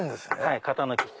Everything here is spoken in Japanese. はい型抜きして。